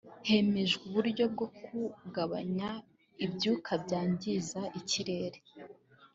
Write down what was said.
hemejwe uburyo bwo kugabanya ibyuka byangiza ikirere